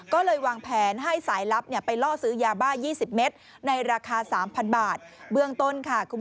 กลุ่มเพื่อนในหมู่บ้านเดียวกัน